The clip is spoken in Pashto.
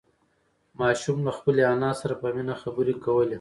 ماشوم له خپلې انا سره په مینه خبرې کولې